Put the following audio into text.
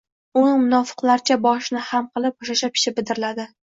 U munofiqlarcha boshini xam qilib, shosha-pisha bidirladi